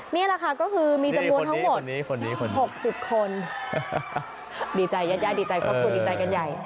นี่แหละค่ะก็คือมีจำบวนทั้งหมดหกสิบคนดีใจย่าดีใจขอบคุณดีใจกันใหญ่